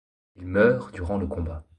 Il meurt durant le combat.